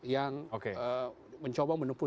yang mencoba menempuh